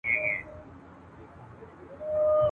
موږ بايد له کوچنيوالي څخه ماشومانو ته د کتاب مينه ور زده کړو !.